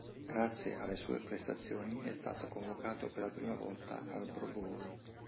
Grazie alle sue prestazioni è stato convocato per la prima volta al Pro Bowl.